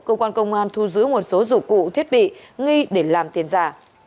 cơ quan công an thu giữ một số dụng cụ thiết bị nghi để làm tiền giả